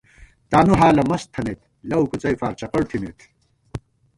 تانُو حالہ مست تھنَئیت لَؤ کُڅئے فار چقڑ تھِمېت